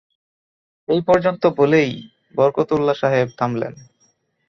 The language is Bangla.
এই পর্যন্ত বলেই বরকতউল্লাহ সাহেব থামলেন।